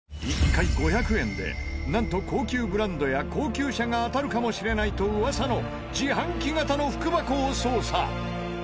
１回５００円でなんと高級ブランドや高級車が当たるかもしれないと噂の自販機型の福箱を捜査！